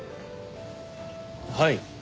はい。